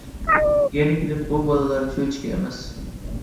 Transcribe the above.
يەنە كېلىپ بۇ بالىلار چۆچىكى ئەمەس.